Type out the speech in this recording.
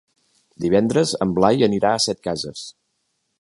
Divendres en Blai anirà a Setcases.